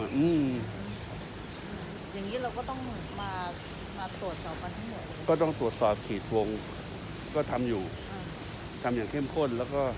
อย่างงี้เราก็ต้องมาตรวจสอบกันทั้งหมด